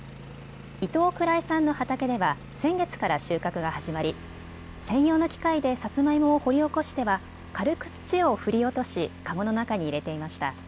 伊東藏衛さんの畑では先月から収穫が始まり専用の機械でさつまいもを掘り起こしては軽く土を振り落としかごの中に入れていました。